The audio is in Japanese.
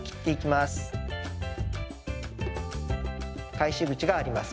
返し口があります。